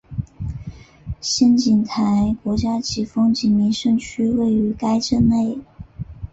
仙景台国家级风景名胜区位于该镇内。